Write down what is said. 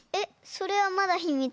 それはまだひみつ。